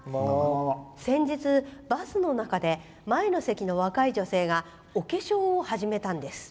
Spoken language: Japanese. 先日、バスの中で前の席の若い女性がお化粧を始めたんです。